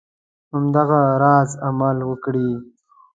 همدغه راز عمل وکړي.